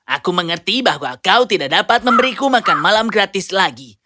aku mengerti bahwa kau tidak dapat memberiku makan malam gratis lagi